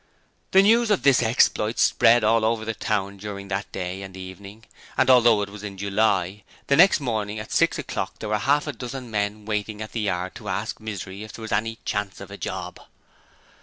The news of this exploit spread all over the town during that day and evening, and although it was in July, the next morning at six o'clock there were half a dozen men waiting at the yard to ask Misery if there was 'any chance of a job'.